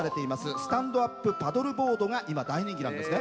スタンドアップパドルボードが今、大人気なんですね。